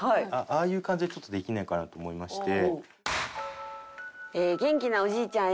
ああいう感じでちょっとできないかなと思いまして。